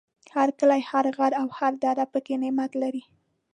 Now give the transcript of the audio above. هر کلی، هر غر او هر دره پکې نعمت لري.